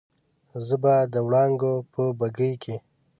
زه به د وړانګو په بګۍ کې